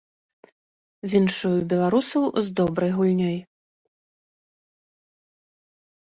Віншую беларусаў з добрай гульнёй.